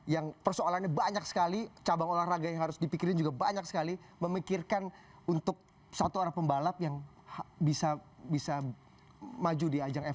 yang persoalannya banyak sekali cabang olahraga yang harus dipikirin juga banyak sekali memikirkan untuk satu orang pembalap yang bisa maju di ajang fc